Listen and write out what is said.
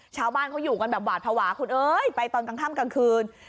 ชาวบ้านเขาอยู่กันแบบหวาดภาวะคุณเอ้ยไปตอนกลางค่ำกลางคืน